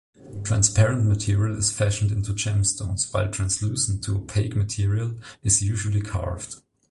Transparent material is fashioned into gemstones while translucent-to-opaque material is usually carved.